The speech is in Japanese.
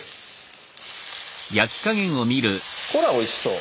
ほらおいしそう！